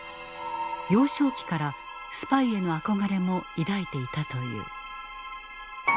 幼少期からスパイへの憧れも抱いていたという。